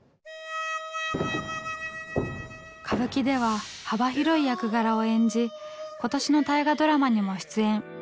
歌舞伎では幅広い役柄を演じ今年の大河ドラマにも出演。